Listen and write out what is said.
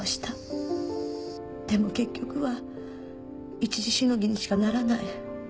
でも結局は一時しのぎにしかならない。